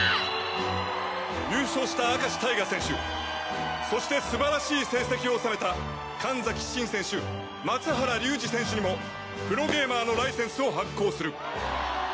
優勝した明石タイガ選手そしてすばらしい成績を収めた神崎シン選手松原龍二選手にもプロゲーマーのライセンスを発行する。